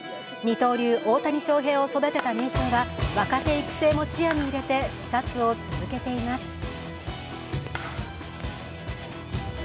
二刀流・大谷翔平を育てた名将は若手育成も視野に入れて視察を続けています。